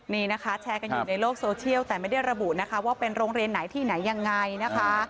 นี่นะคะแชร์กันอยู่ในโลกโซเชียลแต่ไม่ได้ระบุนะคะว่าเป็นโรงเรียนไหนที่ไหนยังไงนะคะ